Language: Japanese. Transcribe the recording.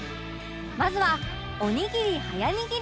まずはおにぎり早にぎり